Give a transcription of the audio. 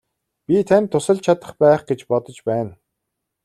Би танд тусалж чадах байх гэж бодож байна.